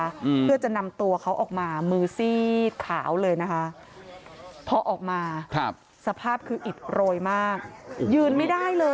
อืมเพื่อจะนำตัวเขาออกมามือซี่ขาวเลยนะคะ